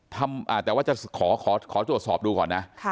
แต่ว่าจะขอตรวจสอบดูก่อนนะ